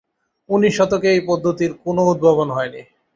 উনিশ শতকে এই পদ্ধতির কোনও উদ্ভাবন হয়নি।